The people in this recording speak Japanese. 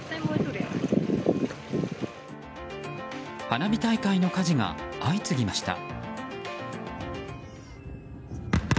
花火大会の火事が相次ぎました。